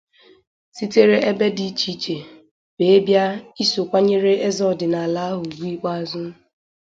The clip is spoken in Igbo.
sitere ebe dị iche iche wee bịa iso kwanyere eze ọdịnala ahụ ugwu ikpeazụ.